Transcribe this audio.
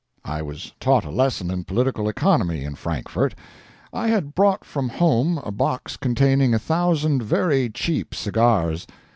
I was taught a lesson in political economy in Frankfort. I had brought from home a box containing a thousand very cheap cigars.